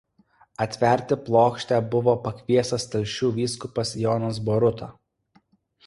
Atverti plokštę buvo pakviestas Telšių vyskupas Jonas Boruta.